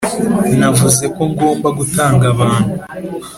navuze ko ngomba gutanga abantu